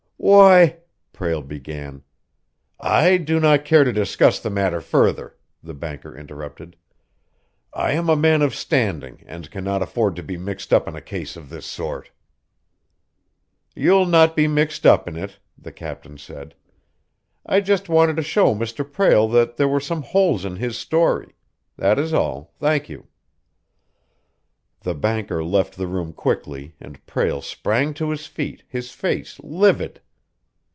"Why " Prale began. "I do not care to discuss the matter further," the banker interrupted. "I am a man of standing and cannot afford to be mixed up in a case of this sort." "You'll not be mixed up in it," the captain said. "I just wanted to show Mr. Prale that there were some holes in his story. That is all, thank you!" The banker left the room quickly, and Prale sprang to his feet, his face livid.